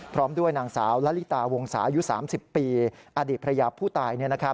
พร้อมด้วยนางสาวละลิตาวงศาอายุ๓๐ปีอดีตภรรยาผู้ตาย